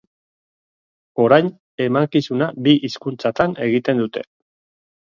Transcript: Orain emankizuna bi hizkuntzatan egiten dute.